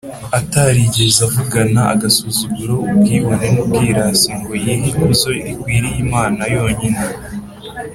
atarigeze “avugana agasuzuguro” “ubwibone n’ubwirasi,” ngo yihe ikuzo rikwiriye imana yonyine!